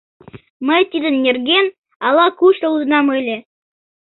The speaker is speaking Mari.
— Мый тидын нерген ала-кушто лудынам ыле.